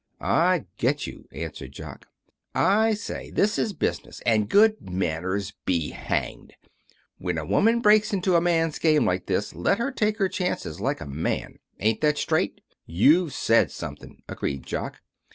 "I get you," answered Jock. "I say, this is business, and good manners be hanged. When a woman breaks into a man's game like this, let her take her chances like a man. Ain't that straight?" "You've said something," agreed Jock.